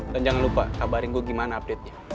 dan jangan lupa kabarin gue gimana update nya